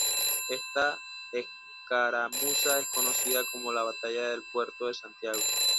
Esta escaramuza es conocida como la batalla del Puerto de Santiago.